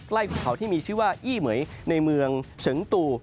ภูเขาที่มีชื่อว่าอี้เหม๋ยในเมืองเฉิงตู